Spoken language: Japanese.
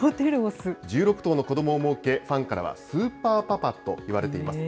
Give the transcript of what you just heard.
１６頭の子どもをもうけ、ファンからはスーパーパパと言われています。